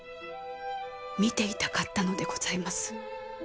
見ていたかったのでございます。